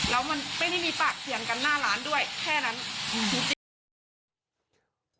แล้วมันไม่ได้มีปากเสียงกันหน้าร้านด้วยแค่นั้นจริง